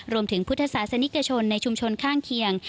รวมถึงพุทธศาสนิกชนในชุมชนข้างเคียง